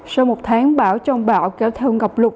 sau một tháng bão trong bão kéo theo ngọc lục